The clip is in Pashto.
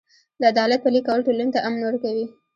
د عدالت پلي کول ټولنې ته امن ورکوي.